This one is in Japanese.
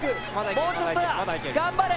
もうちょっとだ頑張れ。